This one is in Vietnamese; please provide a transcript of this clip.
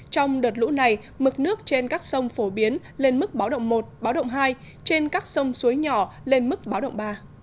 trong đợt lũ này mực nước trên các sông phổ biến lên mức báo động một báo động hai trên các sông suối nhỏ lên mức báo động ba